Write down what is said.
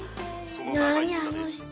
何あの舌。